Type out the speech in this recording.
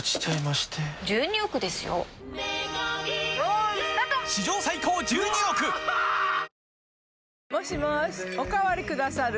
ｈｏｙｕもしもーしおかわりくださる？